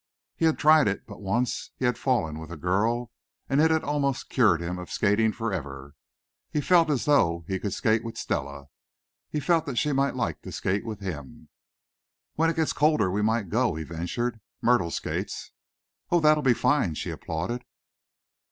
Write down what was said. He had tried it, but once he had fallen with a girl, and it had almost cured him of skating forever. He felt as though he could skate with Stella. He felt that she might like to skate with him. "When it gets colder we might go," he ventured. "Myrtle skates." "Oh, that'll be fine!" she applauded.